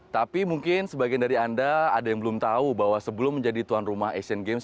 tapi mungkin sebagian dari anda ada yang belum tahu bahwa sebelum menjadi tuan rumah asian games